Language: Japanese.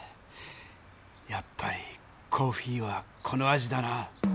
やっぱりコーヒーはこの味だな。